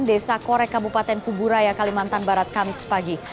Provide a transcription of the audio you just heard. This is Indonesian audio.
desa korek kabupaten kuburaya kalimantan barat kamis pagi